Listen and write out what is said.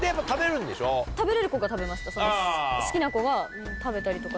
好きな子は食べたりとかして。